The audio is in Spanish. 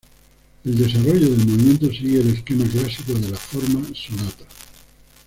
El desarrollo del movimiento sigue el esquema clásico de la forma sonata.